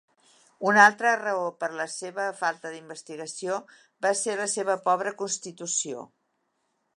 Una altra raó per a la seva falta d'investigació va ser la seva pobra constitució.